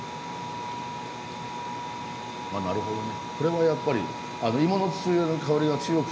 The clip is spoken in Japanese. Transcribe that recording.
あなるほどね。